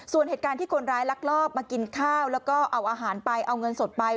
ส่วนเหตุการณ์ที่คนร้ายลักลอบมากินข้าวแล้วก็เอาอาหารไปเอาเงินสดไป